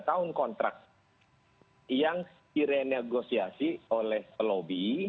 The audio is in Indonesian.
tiga tahun kontrak yang direnegosiasi oleh lobby